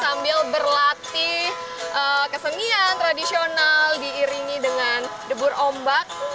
sambil berlatih kesenian tradisional diiringi dengan debur ombak